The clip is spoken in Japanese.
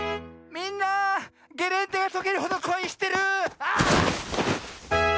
みんなゲレンデがとけるほどこいしてる⁉ああ！